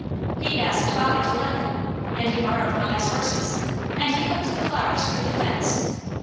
He asked father to let him, and he borrowed mother's horses, and he hooked the flowers through the fence.